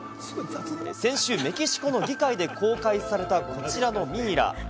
先週、メキシコの議会で公開されたこちらのミイラ。